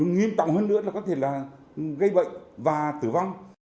nguyên tổng hơn nữa là có thể là gây bệnh và tử vong